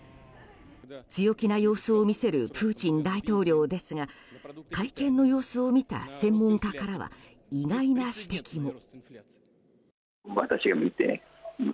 強気な様子を見せるプーチン大統領ですが会見の様子を見た専門家からは意外な指摘も。